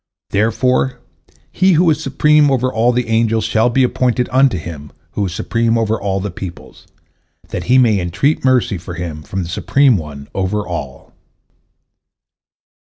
Therefore he who is supreme over all the angels shall be appointed unto him who is supreme over all the peoples, that he may entreat mercy for him from the Supreme One over all."